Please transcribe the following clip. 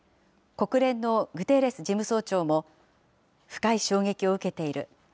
国連のグテーレス事務総長も、深い衝撃を受けている。